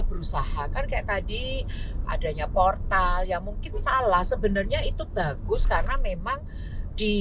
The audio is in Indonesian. berusaha kan kayak tadi adanya portal yang mungkin salah sebenarnya itu bagus karena memang di